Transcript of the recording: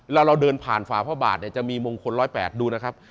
เวลาเราเดินผ่านฝาพระบาทจะมีมงคล๑๐๘ดูนะครับ